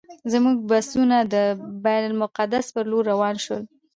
زموږ بسونه د بیت المقدس پر لور روان شول.